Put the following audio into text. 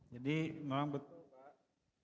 jadi memang betul pak